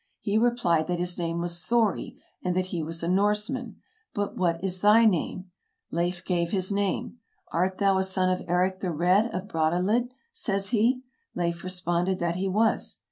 He replied that his name was Thori, and that he was a Norseman; "but what is thy name ?" Leif gave his name. "Art thou a son of Eric the Red of Brattahlid ?" says he. Leif responded that he was.